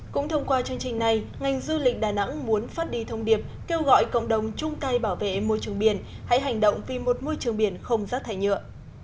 cũng thông qua chương trình này ngành du lịch đà nẵng muốn phát đi thông điệp kêu gọi cộng đồng chung tay bảo vệ môi trường biển hãy hành động vì một môi trường biển không rác thải nhựa